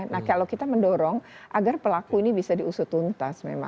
nah kalau kita mendorong agar pelaku ini bisa diusut untas memang